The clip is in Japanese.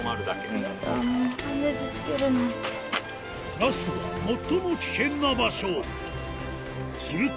ラストは最も危険な場所すると